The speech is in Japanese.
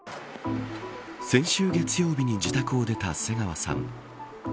先週月曜日に自宅を出た瀬川さん。